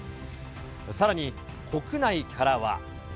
さらに、国内からは。